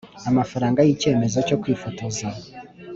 Amafaranga y icyemezo cyo kwifotoza